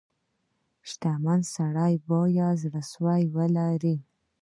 • شتمن سړی باید زړه سوی ولري.